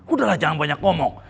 udahlah jangan banyak ngomong